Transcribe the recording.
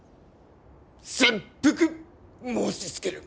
切腹申しつける。